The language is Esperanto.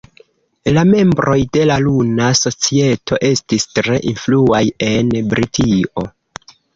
La membroj de la Luna Societo estis tre influaj en Britio.